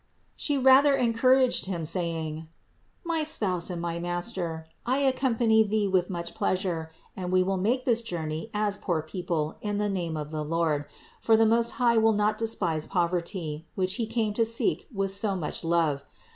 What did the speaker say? She rather encouraged him, saying: "My spouse and my master, I accompany thee with much pleasure, and we will make this journey as poor people 378 CITY OF GOD in the name of the Lord: for the Most High will not despise poverty, which He came to seek with so much love.